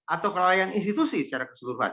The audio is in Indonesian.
atau kelalaian institusi secara keseluruhan